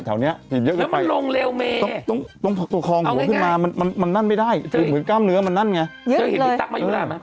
เห็นพี่ตั๊กมายุราชไง